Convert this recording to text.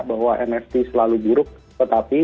bahwa nft selalu buruk tetapi